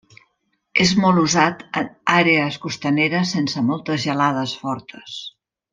És molt usat en àrees costaneres sense moltes gelades fortes.